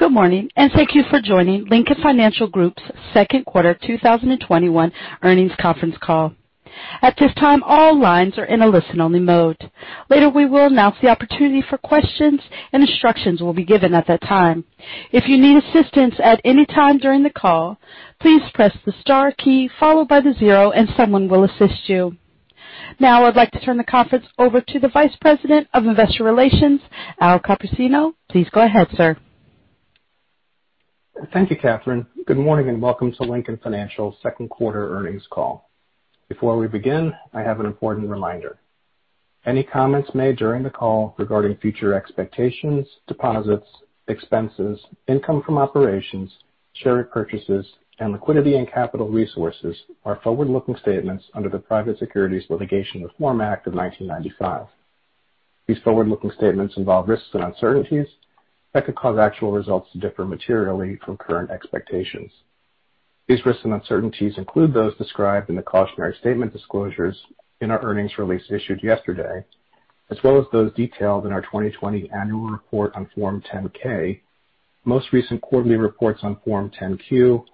Good morning, and thank you for joining Lincoln Financial Group's second quarter 2021 earnings conference call. At this time, all lines are in a listen-only mode. Later, we will announce the opportunity for questions, and instructions will be given at that time. If you need assistance at any time during the call, please press the star key followed by the zero and someone will assist you. Now I'd like to turn the conference over to the Vice President of Investor Relations, Al Copersino. Please go ahead, sir. Thank you, Catherine. Good morning and welcome to Lincoln Financial's second quarter earnings call. Before we begin, I have an important reminder. Any comments made during the call regarding future expectations, deposits, expenses, income from operations, share repurchases, and liquidity and capital resources are forward-looking statements under the Private Securities Litigation Reform Act of 1995. These forward-looking statements involve risks and uncertainties that could cause actual results to differ materially from current expectations. These risks and uncertainties include those described in the cautionary statement disclosures in our earnings release issued yesterday, as well as those detailed in our 2020 annual report on Form 10-K, most recent quarterly reports on Form 10-Q,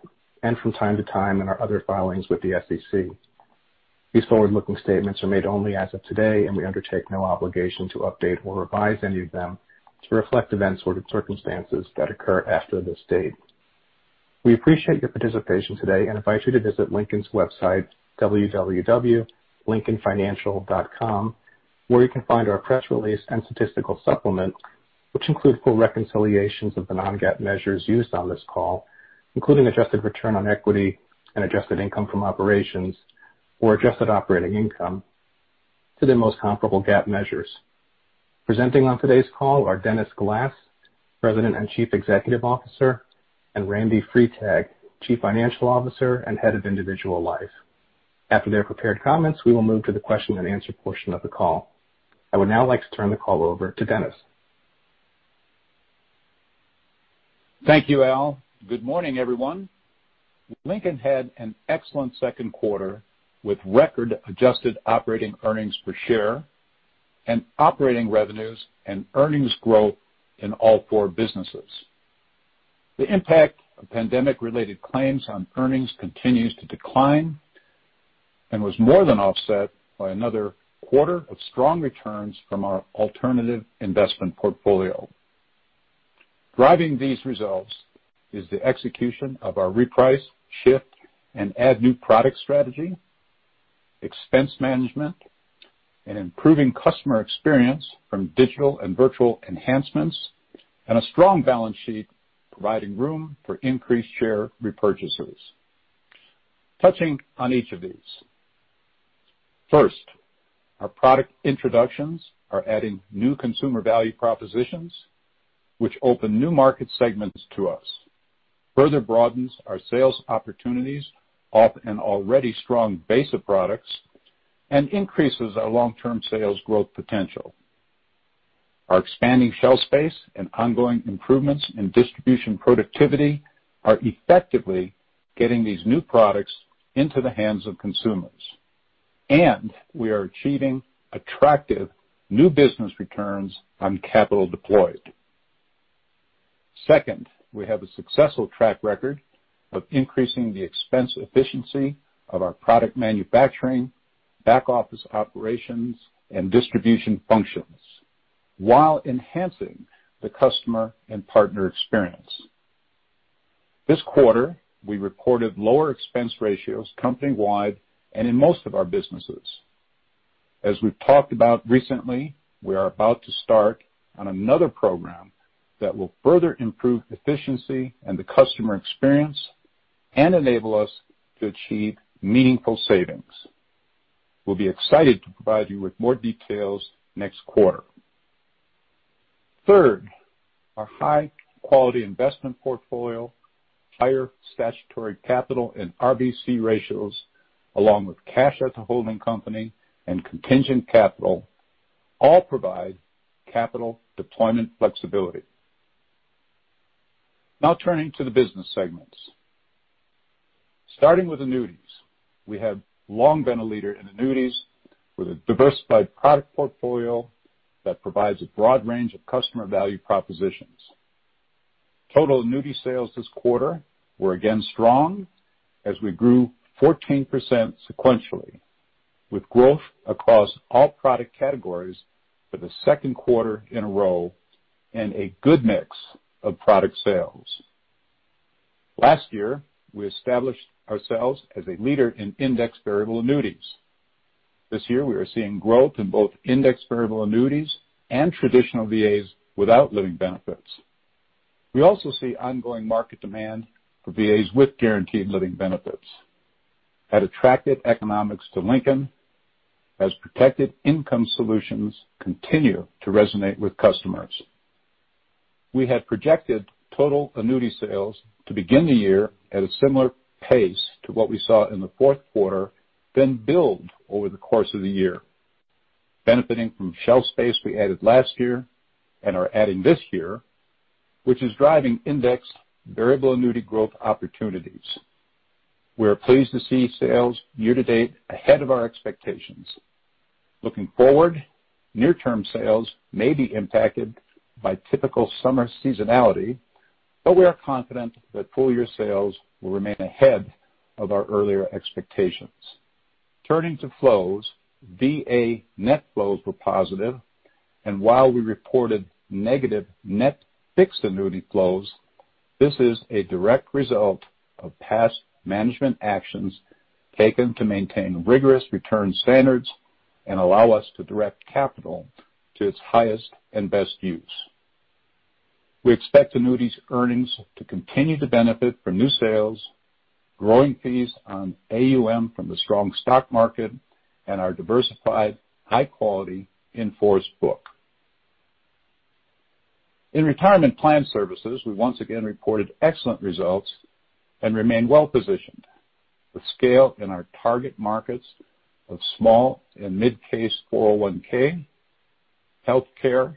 and from time to time in our other filings with the SEC. These forward-looking statements are made only as of today, and we undertake no obligation to update or revise any of them to reflect events or circumstances that occur after this date. We appreciate your participation today and invite you to visit Lincoln's website, www.lincolnfinancial.com, where you can find our press release and statistical supplement, which include full reconciliations of the non-GAAP measures used on this call, including adjusted return on equity and adjusted income from operations or adjusted operating income to the most comparable GAAP measures. Presenting on today's call are Dennis Glass, President and Chief Executive Officer, and Randy Freitag, Chief Financial Officer and Head of Individual Life. After their prepared comments, we will move to the question-and-answer portion of the call. I would now like to turn the call over to Dennis. Thank you, Al. Good morning, everyone. Lincoln had an excellent second quarter with record adjusted operating earnings per share and operating revenues and earnings growth in all four businesses. The impact of pandemic-related claims on earnings continues to decline and was more than offset by another quarter of strong returns from our alternative investment portfolio. Driving these results is the execution of our reprice, shift, and add new product strategy, expense management, and improving customer experience from digital and virtual enhancements, and a strong balance sheet providing room for increased share repurchases. Touching on each of these. First, our product introductions are adding new consumer value propositions which open new market segments to us, further broadens our sales opportunities off an already strong base of products, and increases our long-term sales growth potential. Our expanding shelf space and ongoing improvements in distribution productivity are effectively getting these new products into the hands of consumers, and we are achieving attractive new business returns on capital deployed. Second, we have a successful track record of increasing the expense efficiency of our product manufacturing, back-office operations, and distribution functions while enhancing the customer and partner experience. This quarter, we reported lower expense ratios company-wide and in most of our businesses. As we've talked about recently, we are about to start on another program that will further improve efficiency and the customer experience and enable us to achieve meaningful savings. We'll be excited to provide you with more details next quarter. Third, our high-quality investment portfolio, higher statutory capital and RBC ratios, along with cash at the holding company and contingent capital all provide capital deployment flexibility. Turning to the business segments. Starting with annuities. We have long been a leader in annuities with a diversified product portfolio that provides a broad range of customer value propositions. Total annuity sales this quarter were again strong as we grew 14% sequentially, with growth across all product categories for the second quarter in a row and a good mix of product sales. Last year, we established ourselves as a leader in index variable annuities. This year, we are seeing growth in both index variable annuities and traditional VAs without living benefits. We also see ongoing market demand for VAs with guaranteed living benefits at attractive economics to Lincoln as protected income solutions continue to resonate with customers. We had projected total annuity sales to begin the year at a similar pace to what we saw in the fourth quarter, then build over the course of the year, benefiting from shelf space we added last year and are adding this year, which is driving index variable annuity growth opportunities. We are pleased to see sales year-to-date ahead of our expectations. Looking forward, near-term sales may be impacted by typical summer seasonality, but we are confident that full-year sales will remain ahead of our earlier expectations. Turning to flows, VA net flows were positive. While we reported negative net fixed annuity flows, this is a direct result of past management actions taken to maintain rigorous return standards and allow us to direct capital to its highest and best use. We expect annuities earnings to continue to benefit from new sales, growing fees on AUM from the strong stock market, and our diversified high-quality in-force book. In retirement plan services, we once again reported excellent results and remain well-positioned. With scale in our target markets of small and mid-case 401(k), healthcare,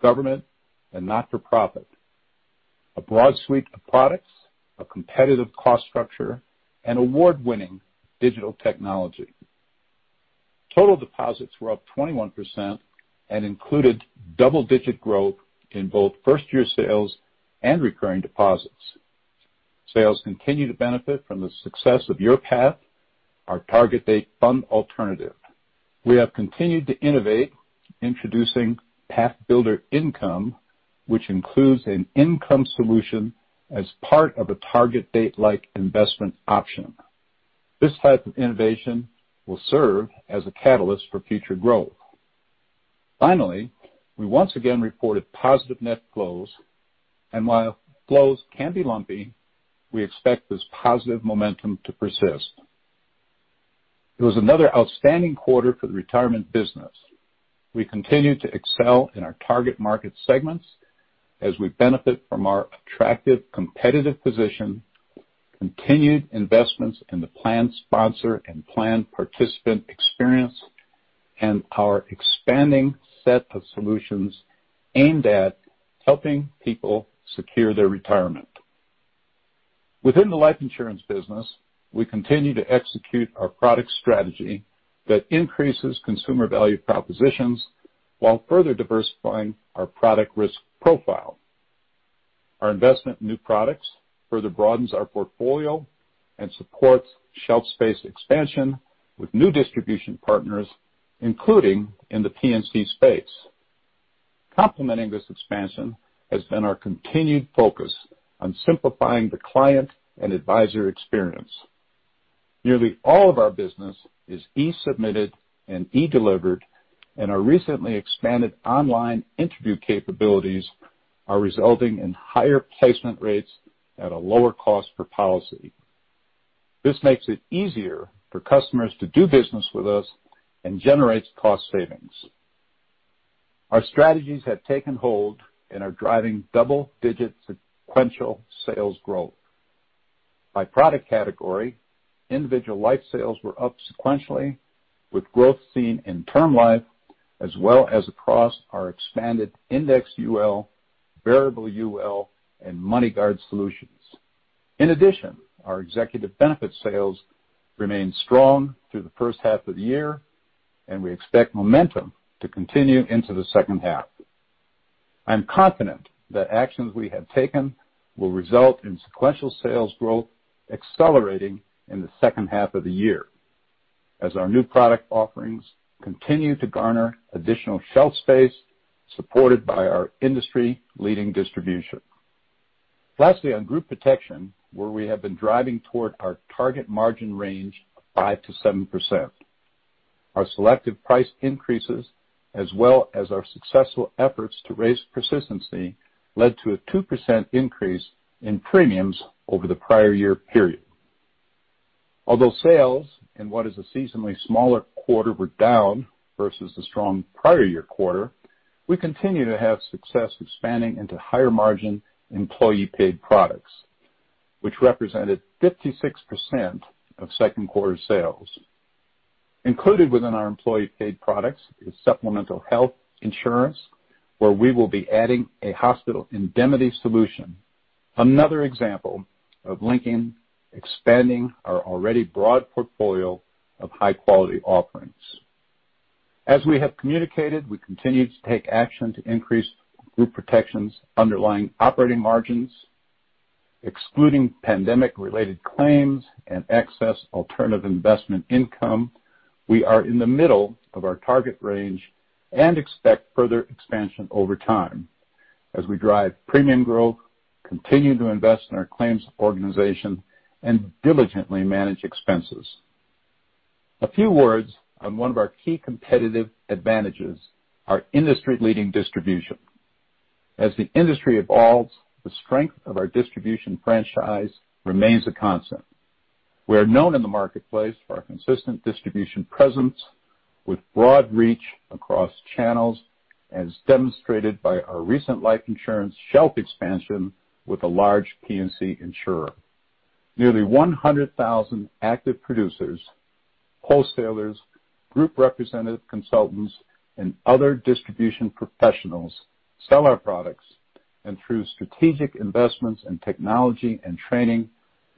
government, and not-for-profit, a broad suite of products, a competitive cost structure, and award-winning digital technology. Total deposits were up 21% and included double-digit growth in both first-year sales and recurring deposits. Sales continue to benefit from the success of YourPath, our target date fund alternative. We have continued to innovate, introducing PathBuilder Income, which includes an income solution as part of a target date-like investment option. This type of innovation will serve as a catalyst for future growth. Finally, we once again reported positive net flows, and while flows can be lumpy, we expect this positive momentum to persist. It was another outstanding quarter for the retirement business. We continue to excel in our target market segments as we benefit from our attractive competitive position, continued investments in the plan sponsor and plan participant experience, and our expanding set of solutions aimed at helping people secure their retirement. Within the life insurance business, we continue to execute our product strategy that increases consumer value propositions while further diversifying our product risk profile. Our investment in new products further broadens our portfolio and supports shelf space expansion with new distribution partners, including in the P&C space. Complementing this expansion has been our continued focus on simplifying the client and advisor experience. Nearly all of our business is e-submitted and e-delivered. Our recently expanded online interview capabilities are resulting in higher placement rates at a lower cost per policy. This makes it easier for customers to do business with us and generates cost savings. Our strategies have taken hold and are driving double-digit sequential sales growth. By product category, individual life sales were up sequentially, with growth seen in term life as well as across our expanded Indexed UL, Variable UL, and MoneyGuard solutions. In addition, our executive benefit sales remained strong through the first half of the year, and we expect momentum to continue into the second half. I'm confident that actions we have taken will result in sequential sales growth accelerating in the second half of the year as our new product offerings continue to garner additional shelf space, supported by our industry-leading distribution. Lastly, on Group Protection, where we have been driving toward our target margin range of 5%-7%. Our selective price increases as well as our successful efforts to raise persistency led to a 2% increase in premiums over the prior year period. Although sales in what is a seasonally smaller quarter were down versus the strong prior year quarter, we continue to have success expanding into higher margin employee-paid products, which represented 56% of second quarter sales. Included within our employee-paid products is supplemental health insurance, where we will be adding a hospital indemnity solution, another example of Lincoln expanding our already broad portfolio of high-quality offerings. As we have communicated, we continue to take action to increase Group Protection's underlying operating margins, excluding pandemic-related claims and excess alternative investment income. We are in the middle of our target range and expect further expansion over time as we drive premium growth, continue to invest in our claims organization, and diligently manage expenses. A few words on one of our key competitive advantages, our industry-leading distribution. As the industry evolves, the strength of our distribution franchise remains a constant. We are known in the marketplace for our consistent distribution presence with broad reach across channels, as demonstrated by our recent life insurance shelf expansion with a large P&C insurer. Nearly 100,000 active producers, wholesalers, group representative consultants, and other distribution professionals sell our products. Through strategic investments in technology and training,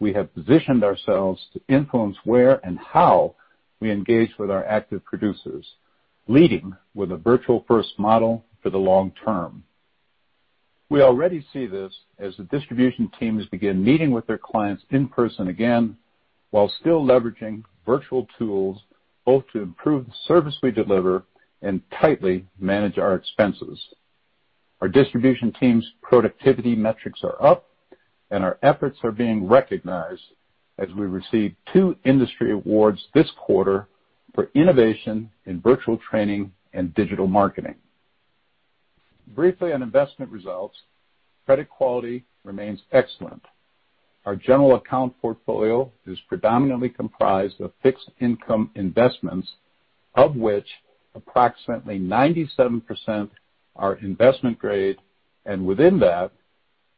we have positioned ourselves to influence where and how we engage with our active producers, leading with a virtual first model for the long term. We already see this as the distribution teams begin meeting with their clients in person again, while still leveraging virtual tools, both to improve the service we deliver and tightly manage our expenses. Our distribution team's productivity metrics are up, and our efforts are being recognized as we receive two industry awards this quarter for innovation in virtual training and digital marketing. Briefly on investment results, credit quality remains excellent. Our general account portfolio is predominantly comprised of fixed income investments, of which approximately 97% are investment grade, and within that,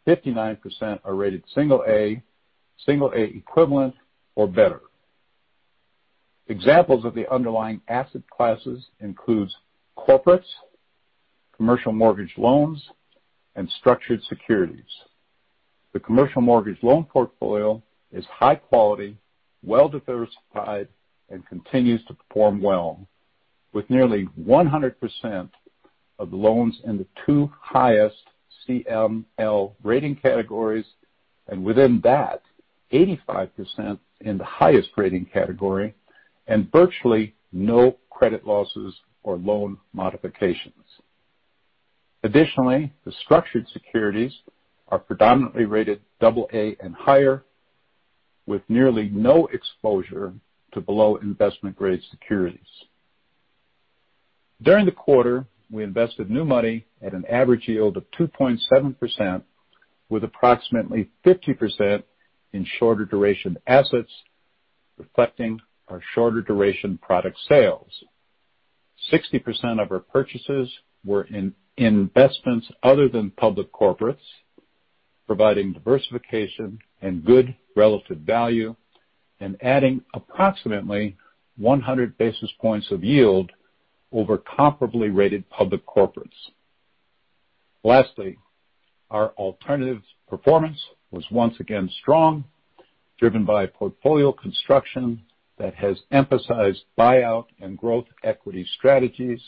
59% are rated single A, single A equivalent, or better. Examples of the underlying asset classes includes corporates, commercial mortgage loans, and structured securities. The commercial mortgage loan portfolio is high quality, well-diversified, and continues to perform well, with nearly 100% of loans in the two highest CML rating categories, and within that, 85% in the highest rating category, and virtually no credit losses or loan modifications. Additionally, the structured securities are predominantly rated double A and higher, with nearly no exposure to below investment-grade securities. During the quarter, we invested new money at an average yield of 2.7%, with approximately 50% in shorter duration assets, reflecting our shorter duration product sales. 60% of our purchases were in investments other than public corporates, providing diversification and good relative value and adding approximately 100 basis points of yield over comparably rated public corporates. Lastly, our alternatives performance was once again strong, driven by portfolio construction that has emphasized buyout and growth equity strategies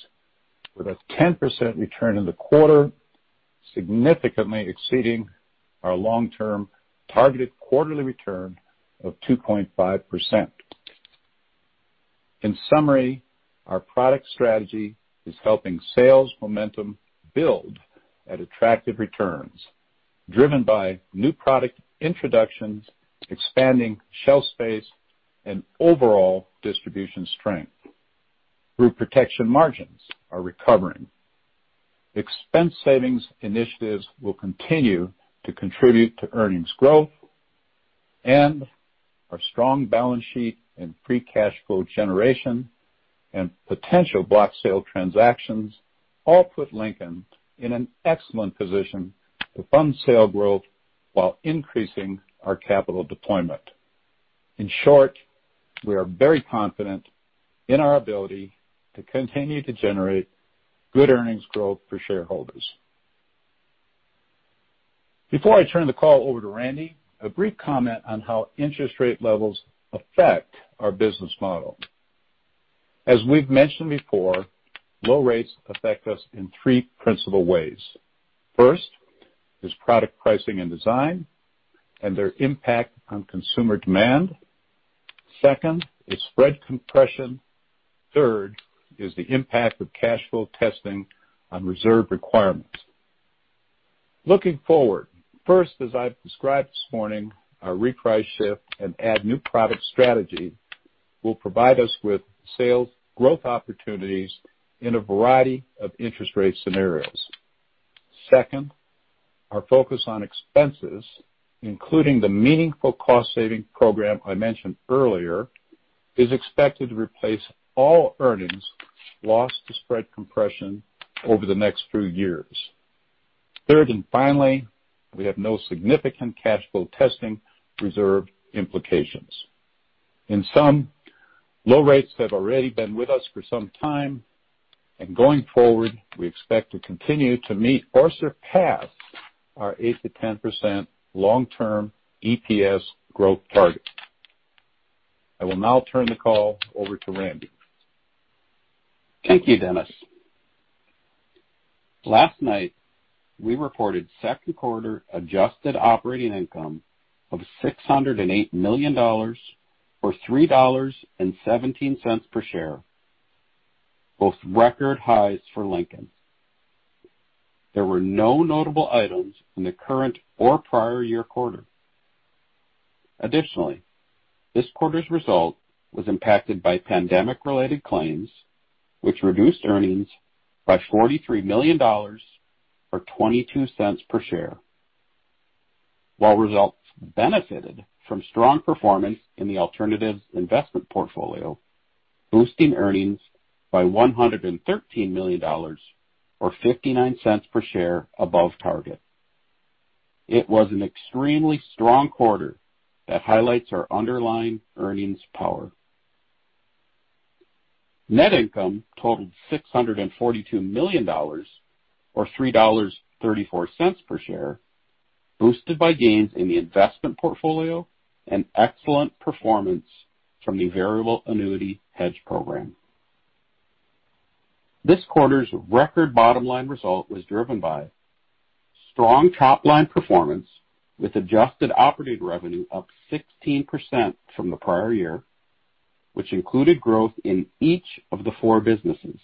with a 10% return in the quarter, significantly exceeding our long-term targeted quarterly return of 2.5%. In summary, our product strategy is helping sales momentum build at attractive returns driven by new product introductions, expanding shelf space, and overall distribution strength. Group Protection margins are recovering. Expense savings initiatives will continue to contribute to earnings growth and our strong balance sheet and free cash flow generation and potential block sale transactions all put Lincoln in an excellent position to fund sale growth while increasing our capital deployment. In short, we are very confident in our ability to continue to generate good earnings growth for shareholders. Before I turn the call over to Randy, a brief comment on how interest rate levels affect our business model. As we've mentioned before, low rates affect us in three principal ways. First is product pricing and design and their impact on consumer demand. Second is spread compression. Third is the impact of cash flow testing on reserve requirements. Looking forward, first, as I've described this morning, our reprice, shift, and add new product strategy will provide us with sales growth opportunities in a variety of interest rate scenarios. Second, our focus on expenses, including the meaningful cost-saving program I mentioned earlier, is expected to replace all earnings lost to spread compression over the next few years. Third, and finally, we have no significant cash flow testing reserve implications. In sum, low rates have already been with us for some time, and going forward, we expect to continue to meet or surpass our 8%-10% long-term EPS growth target. I will now turn the call over to Randy. Thank you, Dennis. Last night, we reported second quarter adjusted operating income of $608 million or $3.17 per share, both record highs for Lincoln. There were no notable items in the current or prior year quarter. Additionally, this quarter's result was impacted by pandemic-related claims, which reduced earnings by $43 million or $0.22 per share. While results benefited from strong performance in the alternatives investment portfolio, boosting earnings by $113 million or $0.59 per share above target, it was an extremely strong quarter that highlights our underlying earnings power. Net income totaled $642 million, or $3.34 per share, boosted by gains in the investment portfolio and excellent performance from the variable annuity hedge program. This quarter's record bottom-line result was driven by strong top-line performance, with adjusted operating revenue up 16% from the prior year, which included growth in each of the four businesses,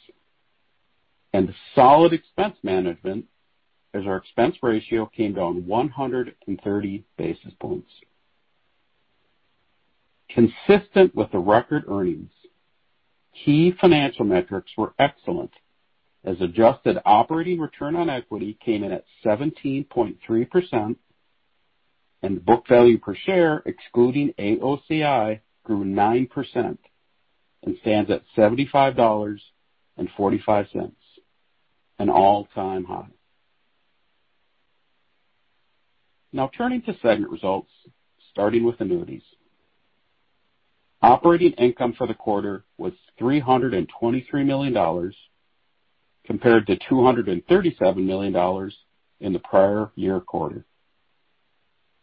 and solid expense management, as our expense ratio came down 130 basis points. Consistent with the record earnings, key financial metrics were excellent, as adjusted operating return on equity came in at 17.3%, and book value per share, excluding AOCI, grew 9% and stands at $75.45, an all-time high. Turning to segment results, starting with annuities. Operating income for the quarter was $323 million compared to $237 million in the prior year quarter.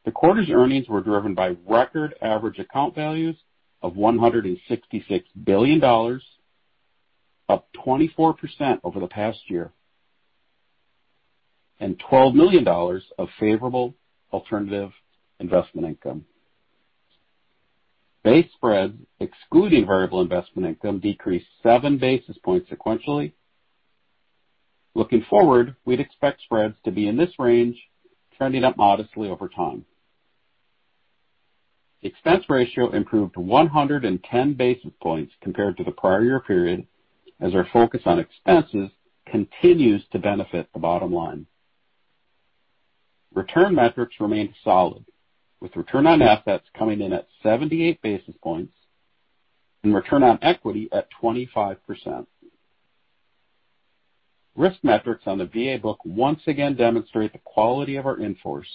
The quarter's earnings were driven by record average account values of $166 billion, up 24% over the past year, and $12 million of favorable alternative investment income. Base spreads excluding variable investment income decreased seven basis points sequentially. Looking forward, we'd expect spreads to be in this range, trending up modestly over time. Expense ratio improved 110 basis points compared to the prior year period, as our focus on expenses continues to benefit the bottom line. Return metrics remained solid, with return on assets coming in at 78 basis points and return on equity at 25%. Risk metrics on the VA book once again demonstrate the quality of our in-force,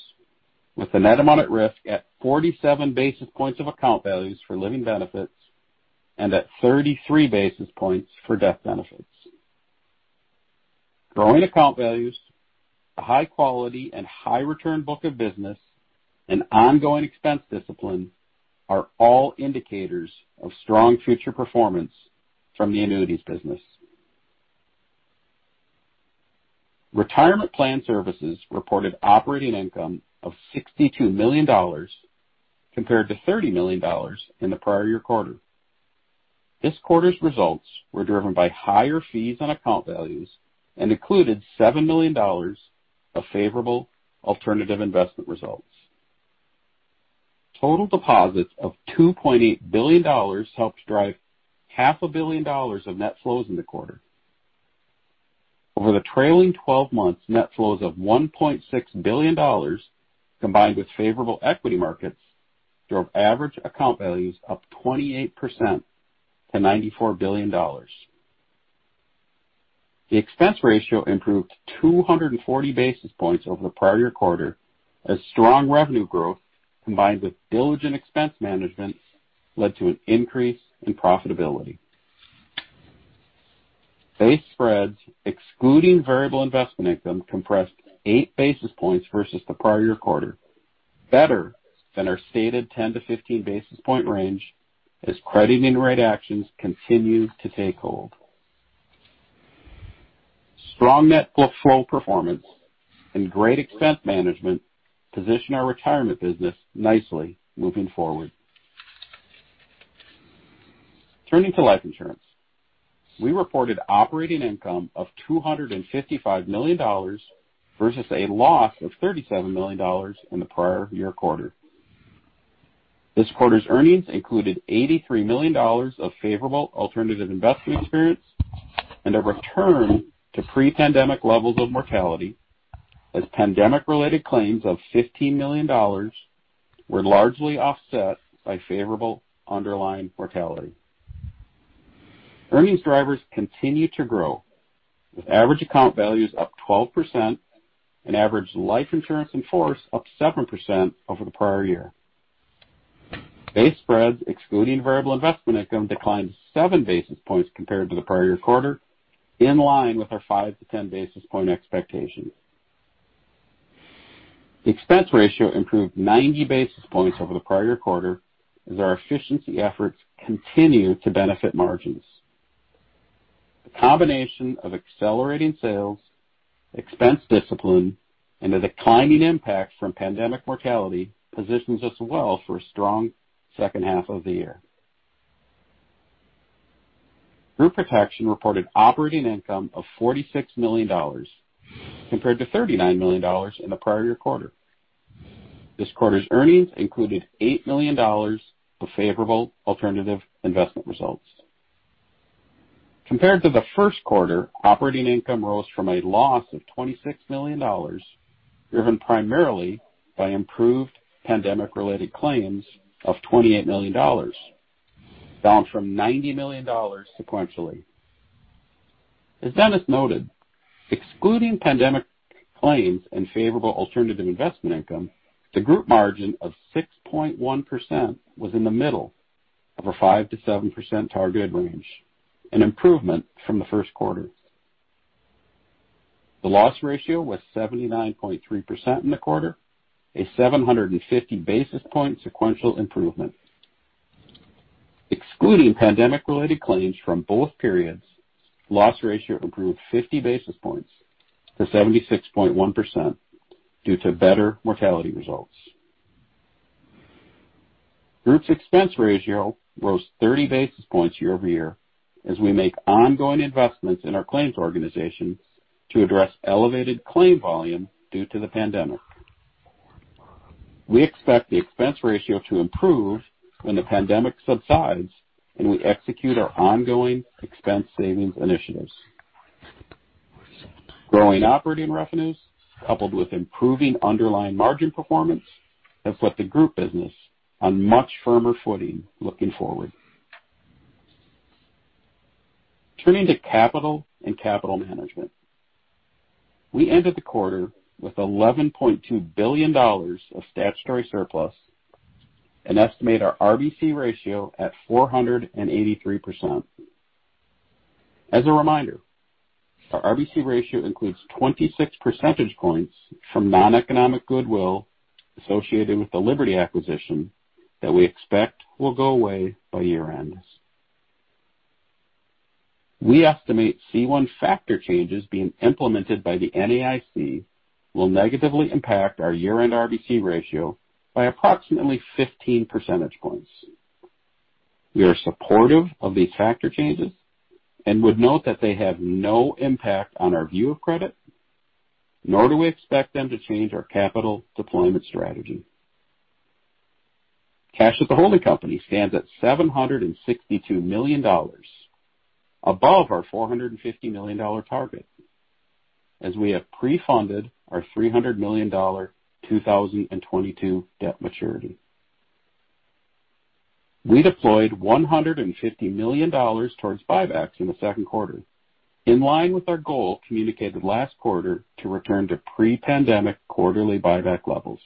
with the net amount at risk at 47 basis points of account values for living benefits and at 33 basis points for death benefits. Growing account values, a high quality and high return book of business, and ongoing expense discipline are all indicators of strong future performance from the annuities business. Retirement Plan Services reported operating income of $62 million compared to $30 million in the prior year quarter. This quarter's results were driven by higher fees on account values and included $7 million of favorable alternative investment results. Total deposits of $2.8 billion helped drive half a billion dollars of net flows in the quarter. Over the trailing 12 months, net flows of $1.6 billion, combined with favorable equity markets, drove average account values up 28% to $94 billion. The expense ratio improved 240 basis points over the prior year quarter as strong revenue growth, combined with diligent expense management, led to an increase in profitability. Base spreads excluding variable investment income compressed eight basis points versus the prior year quarter, better than our stated 10-15 basis point range, as crediting rate actions continue to take hold. Strong net book flow performance and great expense management position our retirement business nicely moving forward. Turning to life insurance. We reported operating income of $255 million versus a loss of $37 million in the prior year quarter. This quarter's earnings included $83 million of favorable alternative investment experience and a return to pre-pandemic levels of mortality as pandemic-related claims of $15 million were largely offset by favorable underlying mortality. Earnings drivers continue to grow with average account values up 12% and average life insurance in-force up 7% over the prior year. Base spreads excluding variable investment income declined seven basis points compared to the prior year quarter, in line with our 5-10 basis point expectations. The expense ratio improved 90 basis points over the prior year quarter as our efficiency efforts continue to benefit margins. The combination of accelerating sales, expense discipline, and a declining impact from pandemic mortality positions us well for a strong second half of the year. Group Protection reported operating income of $46 million compared to $39 million in the prior year quarter. This quarter's earnings included $8 million of favorable alternative investment results. Compared to the first quarter, operating income rose from a loss of $26 million, driven primarily by improved pandemic-related claims of $28 million, down from $90 million sequentially. As Dennis noted, excluding pandemic claims and favorable alternative investment income, the group margin of 6.1% was in the middle of a 5%-7% target range, an improvement from the first quarter. The loss ratio was 79.3% in the quarter, a 750 basis point sequential improvement. Excluding pandemic-related claims from both periods, loss ratio improved 50 basis points to 76.1% due to better mortality results. Group's expense ratio rose 30 basis points year-over-year as we make ongoing investments in our claims organization to address elevated claim volume due to the pandemic. We expect the expense ratio to improve when the pandemic subsides and we execute our ongoing expense savings initiatives. Growing operating revenues coupled with improving underlying margin performance has put the group business on much firmer footing looking forward. Turning to capital and capital management. We ended the quarter with $11.2 billion of statutory surplus and estimate our RBC ratio at 483%. As a reminder, our RBC ratio includes 26 percentage points from non-economic goodwill associated with the Liberty acquisition that we expect will go away by year-end. We estimate C1 factor changes being implemented by the NAIC will negatively impact our year-end RBC ratio by approximately 15 percentage points. We are supportive of these factor changes and would note that they have no impact on our view of credit, nor do we expect them to change our capital deployment strategy. Cash at the holding company stands at $762 million, above our $450 million target, as we have pre-funded our $300 million 2022 debt maturity. We deployed $150 million towards buybacks in the second quarter, in line with our goal communicated last quarter to return to pre-pandemic quarterly buyback levels.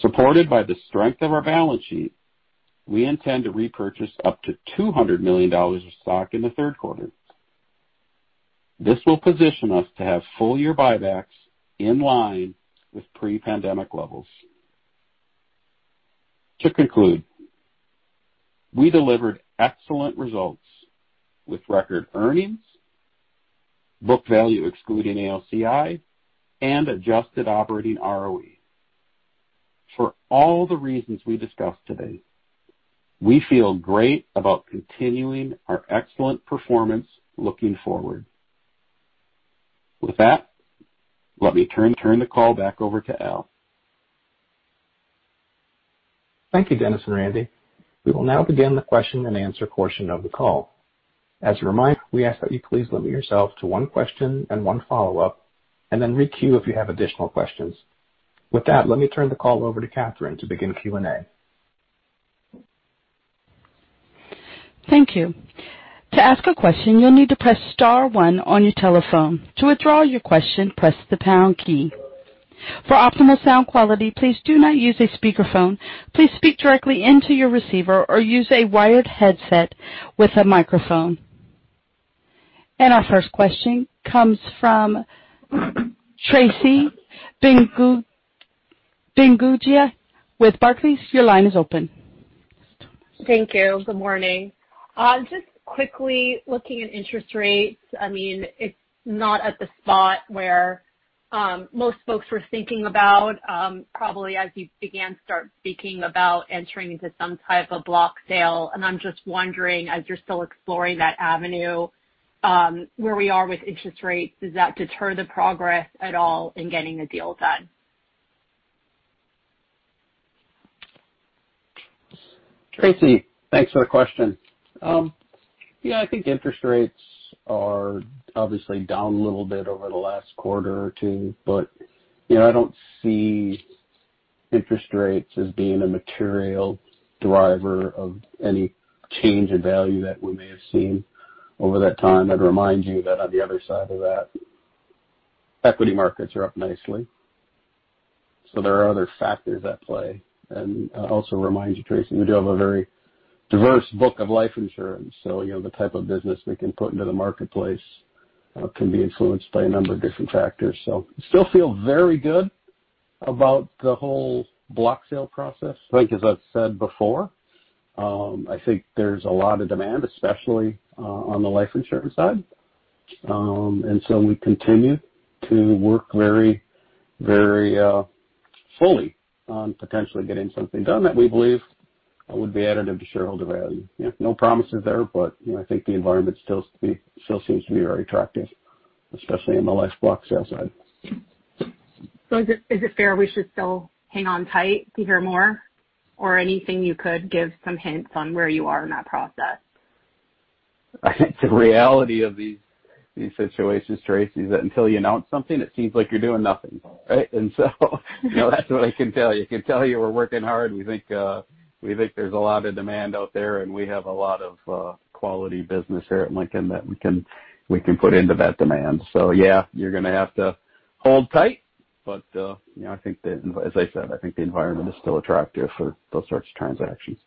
Supported by the strength of our balance sheet, we intend to repurchase up to $200 million of stock in the third quarter. This will position us to have full year buybacks in line with pre-pandemic levels. To conclude, we delivered excellent results with record earnings, book value excluding AOCI, and adjusted operating ROE. For all the reasons we discussed today, we feel great about continuing our excellent performance looking forward. With that, let me turn the call back over to Al. Thank you, Dennis and Randy. We will now begin the question-and-answer portion of the call. As a reminder, we ask that you please limit yourself to one question and one follow-up, and then re-queue if you have additional questions. With that, let me turn the call over to Catherine to begin Q&A. Thank you. To ask a question, you'll need to press star one on your telephone. To withdraw your question, press the pound key. For optimal sound quality, please do not use a speakerphone. Please speak directly into your receiver or use a wired headset with a microphone. Our first question comes from Tracy Benguigui with Barclays. Your line is open. Thank you. Good morning. Just quickly looking at interest rates, it's not at the spot where most folks were thinking about probably as you began speaking about entering into some type of block sale, and I'm just wondering as you're still exploring that avenue, where we are with interest rates, does that deter the progress at all in getting a deal done? Tracy, thanks for the question. Yeah, I think interest rates are obviously down a little bit over the last quarter or two, but I don't see interest rates as being a material driver of any change in value that we may have seen over that time. I'd remind you that on the other side of that, equity markets are up nicely. There are other factors at play, and I also remind you, Tracy, we do have a very diverse book of life insurance. The type of business we can put into the marketplace can be influenced by a number of different factors. Still feel very good about the whole block sale process. I think as I've said before, I think there's a lot of demand, especially on the life insurance side. We continue to work very fully on potentially getting something done that we believe would be additive to shareholder value. No promises there, but I think the environment still seems to be very attractive, especially in the life block sale side. Is it fair we should still hang on tight to hear more? Anything you could give some hints on where you are in that process? I think the reality of these situations, Tracy, is that until you announce something, it seems like you're doing nothing, right? That's what I can tell you. I can tell you we're working hard. We think there's a lot of demand out there, and we have a lot of quality business here at Lincoln that we can put into that demand. Yeah, you're going to have to hold tight. As I said, I think the environment is still attractive for those sorts of transactions.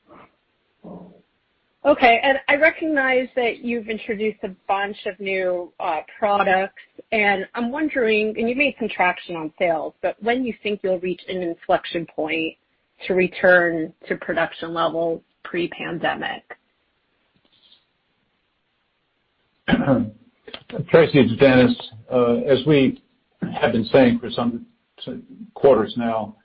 Okay. I recognize that you've introduced a bunch of new products, and I'm wondering, and you've made some traction on sales, but when you think you'll reach an inflection point to return to production levels pre-pandemic? Tracy, it's Dennis. As we have been saying for some quarters now,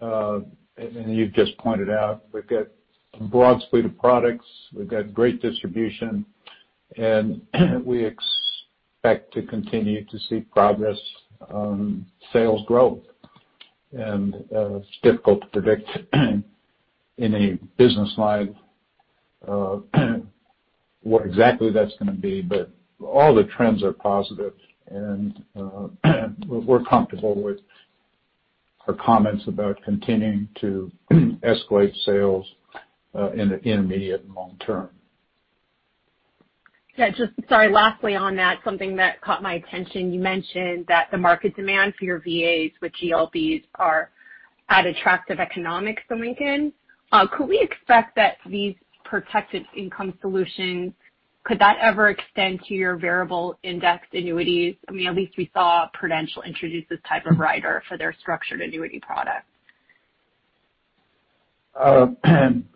and you've just pointed out, we've got a broad suite of products, we've got great distribution, and we expect to continue to see progress on sales growth. It's difficult to predict in a business line what exactly that's going to be. All the trends are positive, and we're comfortable with her comments about continuing to escalate sales in the intermediate and long term. Yeah. Just, sorry, lastly on that, something that caught my attention, you mentioned that the market demand for your VAs with GLBs are at attractive economics from Lincoln. Could we expect that these protected income solutions, could that ever extend to your variable indexed annuities? At least we saw Prudential introduce this type of rider for their structured annuity product.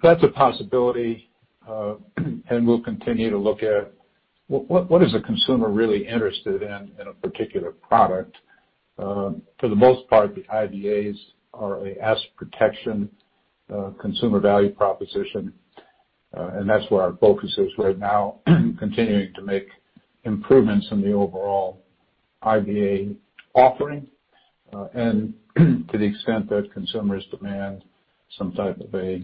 That's a possibility, and we'll continue to look at what is the consumer really interested in a particular product. For the most part, the IVAs are a asset protection consumer value proposition, and that's where our focus is right now, continuing to make improvements in the overall IVA offering. To the extent that consumers demand some type of a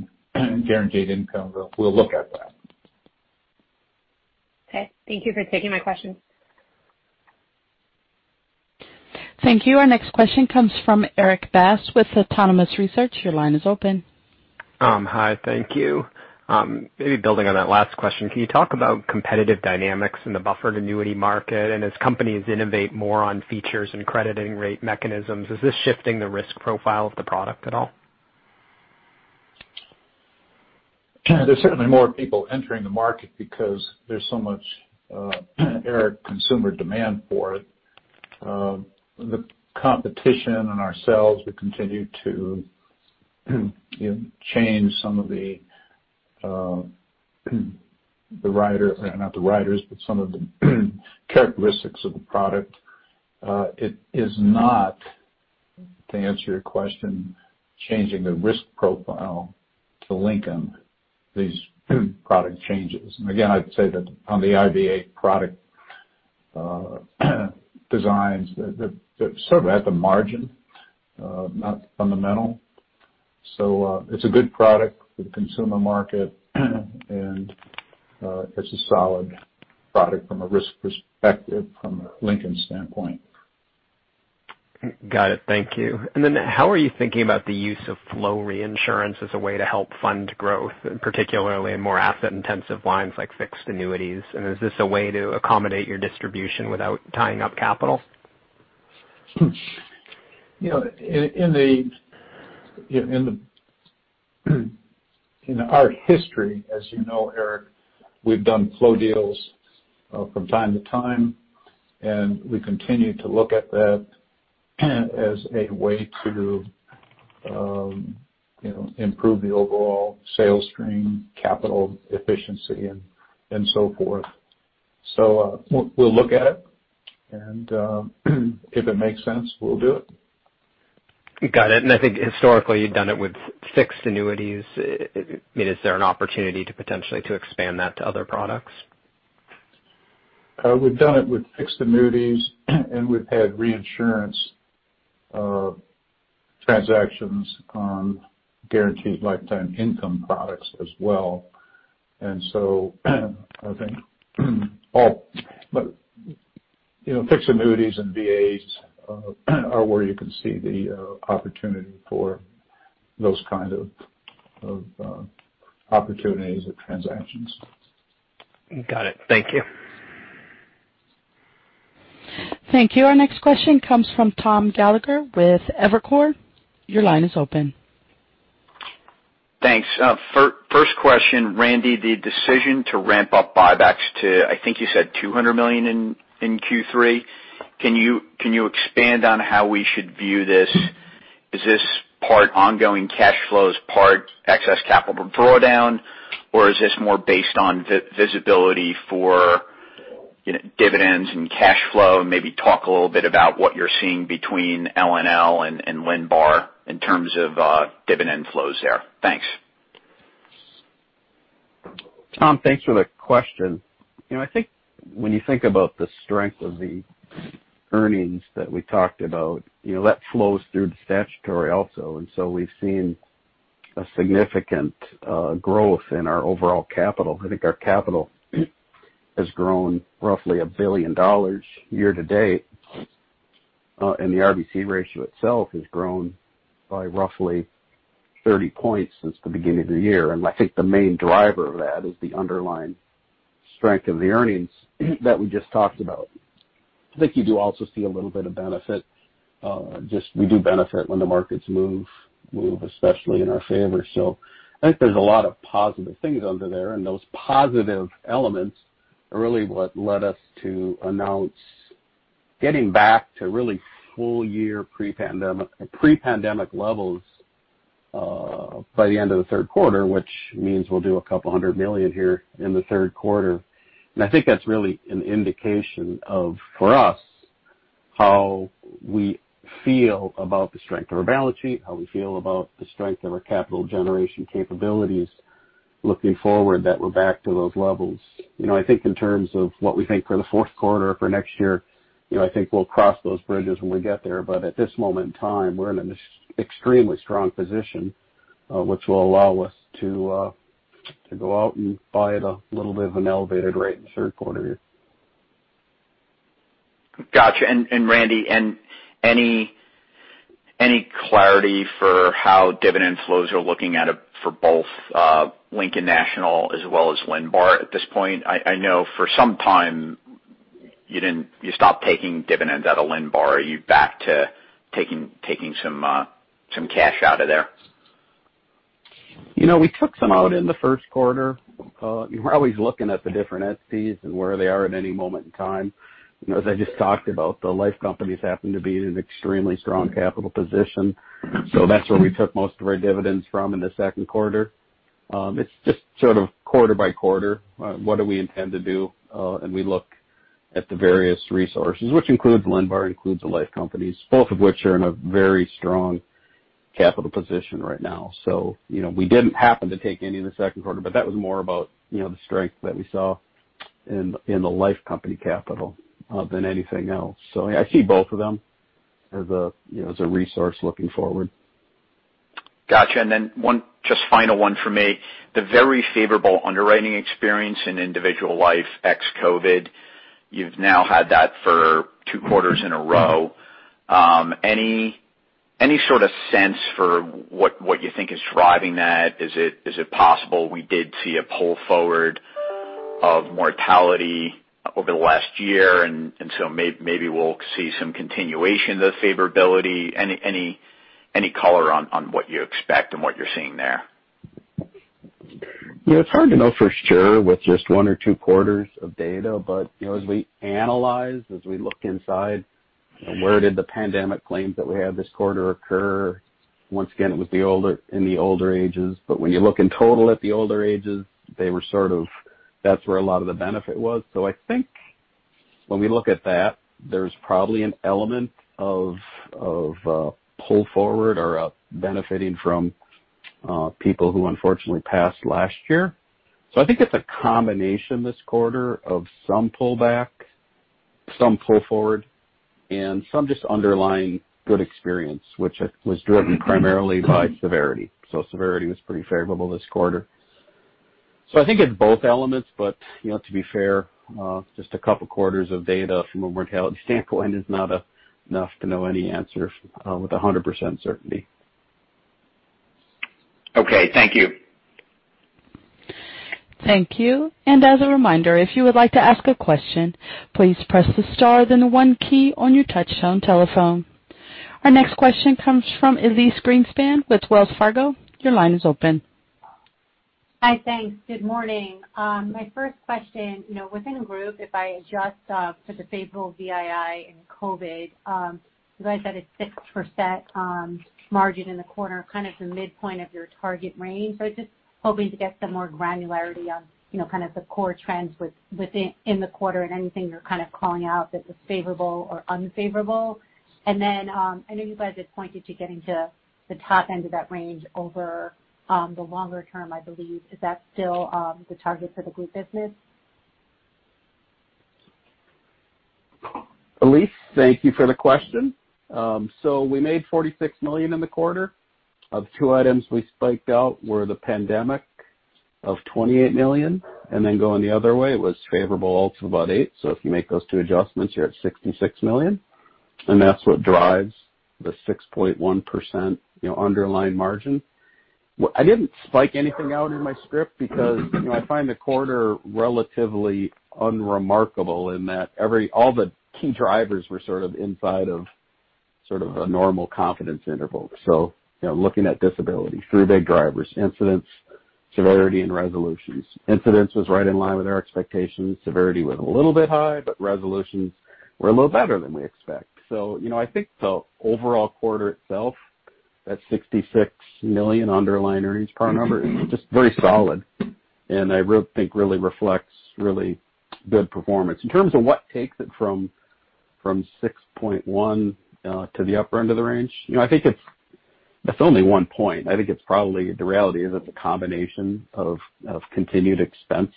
guaranteed income, we'll look at that. Okay. Thank you for taking my questions. Thank you. Our next question comes from Erik Bass with Autonomous Research. Your line is open. Hi. Thank you. Maybe building on that last question, can you talk about competitive dynamics in the buffered annuity market? As companies innovate more on features and crediting rate mechanisms, is this shifting the risk profile of the product at all? There's certainly more people entering the market because there's so much, Erik, consumer demand for it. The competition and ourselves, we continue to change some of the rider, not the riders, but some of the characteristics of the product. It is not, to answer your question, changing the risk profile to Lincoln, these product changes. Again, I'd say that on the IVA product designs, they're sort of at the margin, not fundamental. It's a good product for the consumer market, and it's a solid product from a risk perspective from a Lincoln standpoint. Got it. Thank you. How are you thinking about the use of flow reinsurance as a way to help fund growth, and particularly in more asset-intensive lines like fixed annuities? Is this a way to accommodate your distribution without tying up capital? In our history, as you know, Erik, we've done flow deals from time to time, and we continue to look at that as a way to improve the overall sales stream, capital efficiency, and so forth. We'll look at it and if it makes sense, we'll do it. Got it. I think historically, you've done it with fixed annuities. Is there an opportunity to potentially expand that to other products? We've done it with fixed annuities and we've had reinsurance transactions on guaranteed lifetime income products as well. I think all but fixed annuities and VAs are where you can see the opportunity for those kinds of opportunities or transactions. Got it. Thank you. Thank you. Our next question comes from Tom Gallagher with Evercore. Your line is open. Thanks. First question, Randy, the decision to ramp up buybacks to, I think you said $200 million in Q3, can you expand on how we should view this? Is this part ongoing cash flows, part excess capital drawdown, or is this more based on visibility for dividends and cash flow? Maybe talk a little bit about what you're seeing between LNL and LNBAR in terms of dividend flows there. Thanks. Tom, thanks for the question. I think when you think about the strength of the earnings that we talked about, that flows through the statutory also. We've seen a significant growth in our overall capital. I think our capital has grown roughly $1 billion year-to-date, and the RBC ratio itself has grown by roughly 30 points since the beginning of the year. I think the main driver of that is the underlying strength of the earnings that we just talked about. I think you do also see a little bit of benefit. We do benefit when the markets move, especially in our favor. I think there's a lot of positive things under there, and those positive elements are really what led us to announce getting back to really full-year pre-pandemic levels by the end of the third quarter, which means we'll do about $200 million here in the third quarter. I think that's really an indication of, for us, how we feel about the strength of our balance sheet, how we feel about the strength of our capital generation capabilities looking forward, that we're back to those levels. I think in terms of what we think for the fourth quarter for next year, I think we'll cross those bridges when we get there. At this moment in time, we're in an extremely strong position, which will allow us to go out and buy at a little bit of an elevated rate in the third quarter. Got you. Randy, any clarity for how dividend flows are looking at it for both Lincoln National as well as LNBAR at this point? I know for some time you stopped taking dividends out of LNBAR. Are you back to taking some cash out of there? We took some out in the first quarter. We're always looking at the different entities and where they are at any moment in time. As I just talked about, the life companies happen to be in an extremely strong capital position, so that's where we took most of our dividends from in the second quarter. It's just sort of quarter by quarter, what do we intend to do? We look at the various resources, which includes LNBAR, includes the life companies, both of which are in a very strong capital position right now. We didn't happen to take any in the second quarter, but that was more about the strength that we saw in the life company capital than anything else. I see both of them as a resource looking forward. Got you. Just final one from me. The very favorable underwriting experience in individual life ex-COVID, you've now had that for two quarters in a row. Any sort of sense for what you think is driving that? Is it possible we did see a pull forward of mortality over the last year, maybe we'll see some continuation of the favorability? Any color on what you expect and what you're seeing there? It's hard to know for sure with just one or two quarters of data. As we analyze, as we look inside, where did the pandemic claims that we had this quarter occur? Once again, it was in the older ages. When you look in total at the older ages, that's where a lot of the benefit was. I think when we look at that, there's probably an element of pull forward or benefiting from people who unfortunately passed last year. I think it's a combination this quarter of some pullback, some pull forward, and some just underlying good experience, which was driven primarily by severity. Severity was pretty favorable this quarter. I think it's both elements. To be fair, just a couple of quarters of data from a mortality standpoint is not enough to know any answer with 100% certainty. Okay. Thank you. Thank you. As a reminder, if you would like to ask a question, please press the star then the one key on your touchtone telephone. Our next question comes from Elyse Greenspan with Wells Fargo. Your line is open. Hi, thanks. Good morning. My first question, within a group, if I adjust for the favorable VII and COVID, you guys had a 6% margin in the quarter, kind of the midpoint of your target range. I was just hoping to get some more granularity on kind of the core trends within the quarter and anything you're kind of calling out that was favorable or unfavorable. I know you guys had pointed to getting to the top end of that range over the longer term, I believe. Is that still the target for the group business? Elyse, thank you for the question. We made $46 million in the quarter. Of two items we spiked out were the pandemic of $28 million, and then going the other way was favorable alts of about eight. If you make those two adjustments, you're at $66 million, and that's what drives the 6.1% underlying margin. I didn't spike anything out in my script because I find the quarter relatively unremarkable in that all the key drivers were sort of inside of a normal confidence interval. Looking at disability, three big drivers, incidence, severity, and resolutions. Incidence was right in line with our expectations. Severity was a little bit high, but resolutions were a little better than we expect. I think the overall quarter itself, that $66 million underlying earnings power number is just very solid, and I think really reflects really good performance. In terms of what takes it from 6.1% to the upper end of the range, I think that's only one point. I think probably the reality is it's a combination of continued expense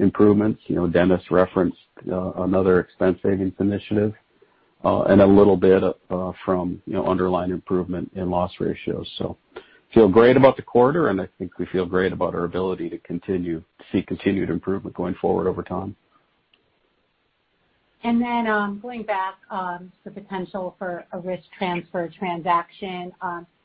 improvements. Dennis referenced another expense savings initiative. A little bit from underlying improvement in loss ratios. Feel great about the quarter, and I think we feel great about our ability to see continued improvement going forward over time. Going back on the potential for a risk transfer transaction,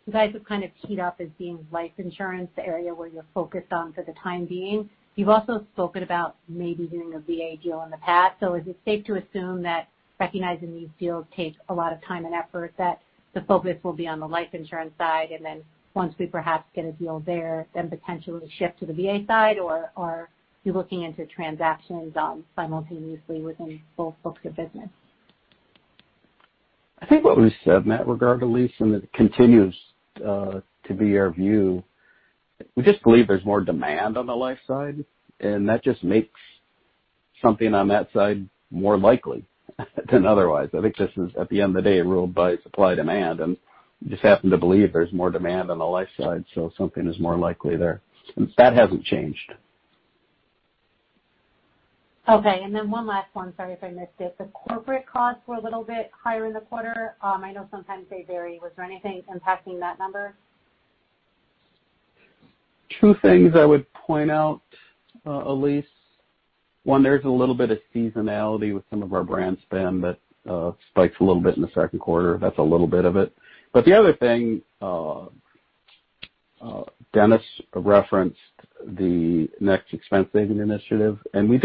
you guys have kind of teed up as being life insurance, the area where you're focused on for the time being. You've also spoken about maybe doing a VA deal in the past. Is it safe to assume that recognizing these deals takes a lot of time and effort, that the focus will be on the life insurance side, and then once we perhaps get a deal there, then potentially shift to the VA side? Are you looking into transactions simultaneously within both books of business? I think what we said in that regard, Elyse, and it continues to be our view, we just believe there's more demand on the life side, and that just makes something on that side more likely than otherwise. I think this is, at the end of the day, ruled by supply-demand, and just happen to believe there's more demand on the life side, so something is more likely there. That hasn't changed. Okay. One last one. Sorry if I missed it. The corporate costs were a little bit higher in the quarter. I know sometimes they vary. Was there anything impacting that number? Two things I would point out, Elyse. One, there's a little bit of seasonality with some of our brand spend that spikes a little bit in the second quarter. That's a little bit of it. The other thing, Dennis referenced the next expense saving initiative, and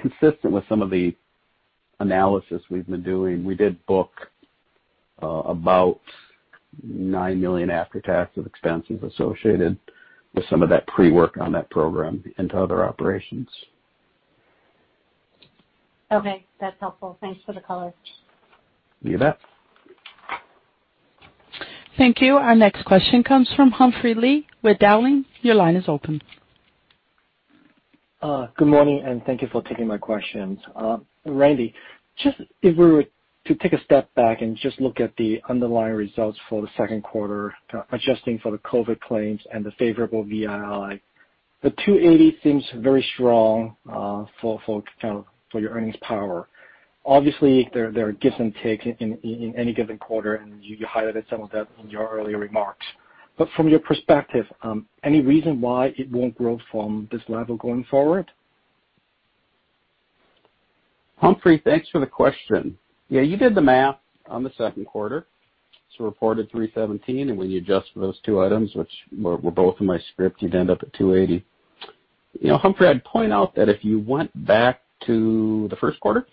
consistent with some of the analysis we've been doing, we did book about $9 million after-tax of expenses associated with some of that pre-work on that program into other operations. Okay. That's helpful. Thanks for the color. You bet. Thank you. Our next question comes from Humphrey Lee with Dowling. Your line is open. Good morning, and thank you for taking my questions. Randy, just if we were to take a step back and just look at the underlying results for the second quarter, adjusting for the COVID claims and the favorable VII, the $2.80 Seems very strong for your earnings power. Obviously, there are gives and takes in any given quarter. You highlighted some of that in your earlier remarks. From your perspective, any reason why it won't grow from this level going forward? Humphrey, thanks for the question. Yeah, you did the math on the second quarter. Reported $3.17, and when you adjust for those two items, which were both in my script, you'd end up at $2.80. Humphrey, I'd point out that if you went back to the first quarter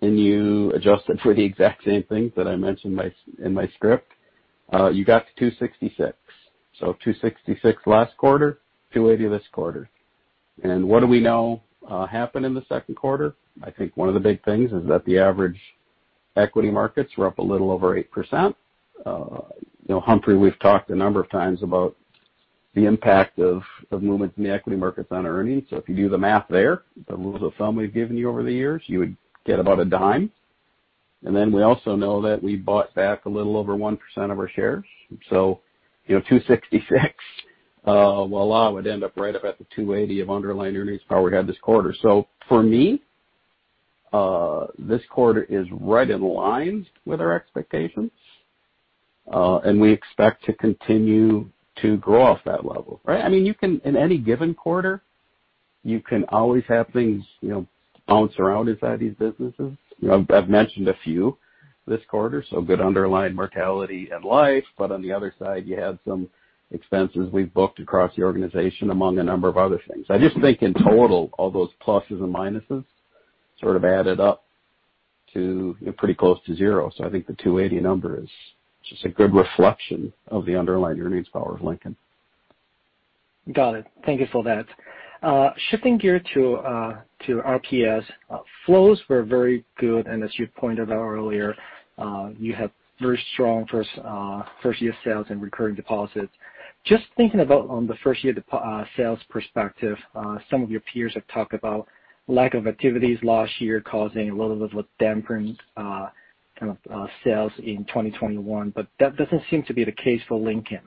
and you adjusted for the exact same things that I mentioned in my script, you got to $2.66. $2.66 last quarter, $2.80 this quarter. What do we know happened in the second quarter? I think one of the big things is that the average equity markets were up a little over 8%. Humphrey, we've talked a number of times about the impact of movements in the equity markets on earnings. If you do the math there, the rules of thumb we've given you over the years, you would get about $0.10. We also know that we bought back a little over 1% of our shares. 266, well, would end up right about the 280 of underlying earnings power we had this quarter. For me, this quarter is right in line with our expectations, and we expect to continue to grow off that level, right? In any given quarter, you can always have things bounce around inside these businesses. I've mentioned a few this quarter, so good underlying mortality and life. On the other side, you have some expenses we've booked across the organization, among a number of other things. I just think in total, all those pluses and minuses sort of added up to pretty close to zero. I think the 280 number is just a good reflection of the underlying earnings power of Lincoln. Got it. Thank you for that. Shifting gear to RPS, flows were very good, and as you pointed out earlier, you have very strong first-year sales and recurring deposits. Just thinking about on the first-year sales perspective, some of your peers have talked about lack of activities last year causing a little bit of a dampening kind of sales in 2021, but that doesn't seem to be the case for Lincoln.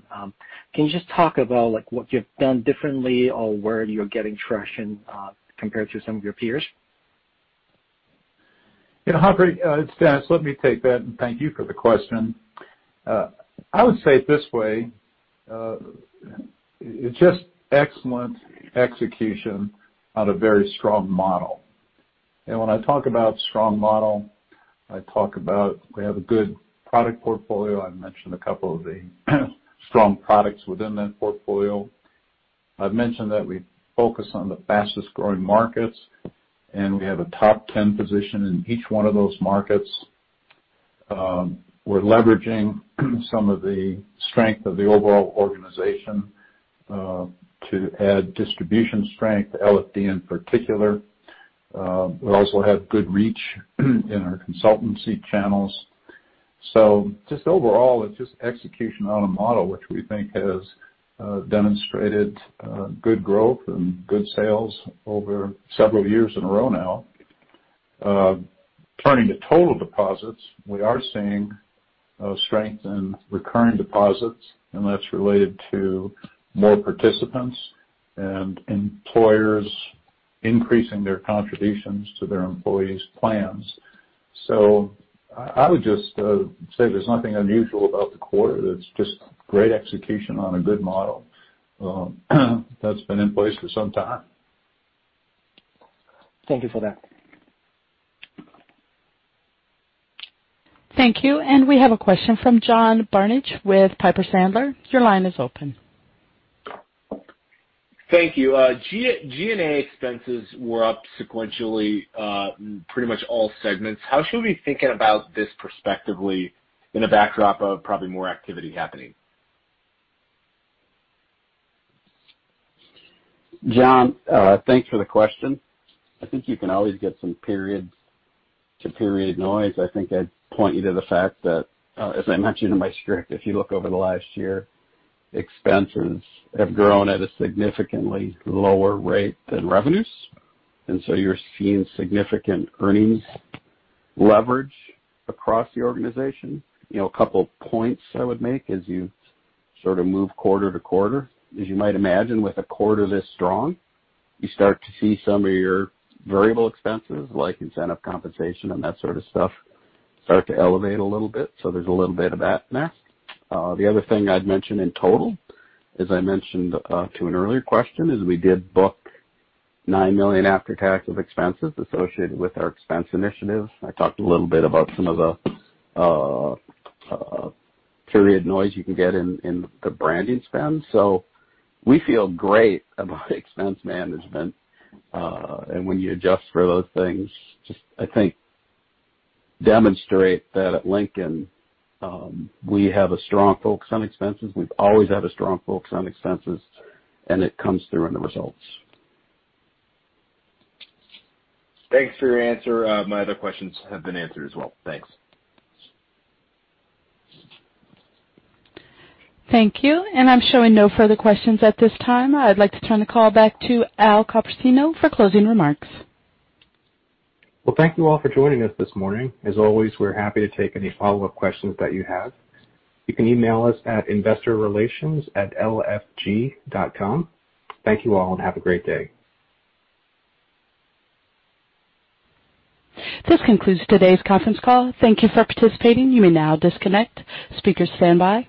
Can you just talk about what you've done differently or where you're getting traction compared to some of your peers? Humphrey, it's Dennis. Let me take that, thank you for the question. I would say it this way. It's just excellent execution on a very strong model. When I talk about strong model, I talk about we have a good product portfolio. I mentioned a couple of the strong products within that portfolio. I've mentioned that we focus on the fastest-growing markets, we have a top 10 position in each one of those markets. We're leveraging some of the strength of the overall organization to add distribution strength, LFD in particular. We also have good reach in our consultancy channels. Just overall, it's just execution on a model which we think has demonstrated good growth and good sales over several years in a row now. Turning to total deposits, we are seeing strength in recurring deposits, and that's related to more participants and employers increasing their contributions to their employees' plans. I would just say there's nothing unusual about the quarter. That's just great execution on a good model that's been in place for some time. Thank you for that. Thank you. We have a question from John Barnidge with Piper Sandler. Your line is open. Thank you. G&A expenses were up sequentially in pretty much all segments. How should we be thinking about this prospectively in a backdrop of probably more activity happening? John, thanks for the question. I think you can always get some period-to-period noise. I think I'd point you to the fact that, as I mentioned in my script, if you look over the last year, expenses have grown at a significantly lower rate than revenues, and so you're seeing significant earnings leverage across the organization. A couple points I would make as you sort of move quarter to quarter. As you might imagine, with a quarter this strong, you start to see some of your variable expenses, like incentive compensation and that sort of stuff, start to elevate a little bit. There's a little bit of that math. The other thing I'd mention in total, as I mentioned to an earlier question, is we did book $9 million after tax of expenses associated with our expense initiative. I talked a little bit about some of the period noise you can get in the branding spend. We feel great about expense management. When you adjust for those things, just, I think, demonstrate that at Lincoln, we have a strong focus on expenses. We've always had a strong focus on expenses, and it comes through in the results. Thanks for your answer. My other questions have been answered as well. Thanks. Thank you. I'm showing no further questions at this time. I'd like to turn the call back to Al Copersino for closing remarks. Thank you all for joining us this morning. As always, we're happy to take any follow-up questions that you have. You can email us at investorrelations@lfg.com. Thank you all and have a great day. This concludes today's conference call. Thank you for participating. You may now disconnect. Speakers stand by.